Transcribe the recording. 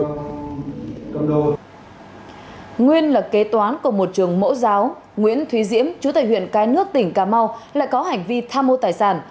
nguyên là kế toán của một trường mẫu giáo nguyễn thúy diễm chú tài huyện cái nước tỉnh cà mau lại có hành vi tham mô tài sản